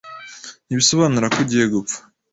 ntibisobanura ko ugiye gupfa,